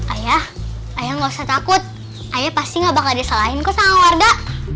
ayah ayah nggak usah takut ayah pasti gak bakal disalahin kok sama warga